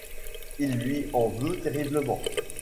Il lui en veut terriblement…